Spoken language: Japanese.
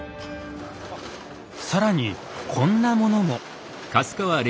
更にこんなものも。